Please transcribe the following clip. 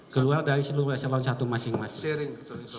keluar dari seluruh salon satu masing masing